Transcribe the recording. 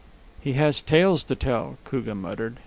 "He has tales to tell," Koogah muttered.